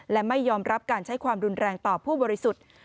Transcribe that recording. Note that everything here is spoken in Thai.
และไม่ยอมรับการใช้ความรุนแรงต่อผู้บริสุทธิ์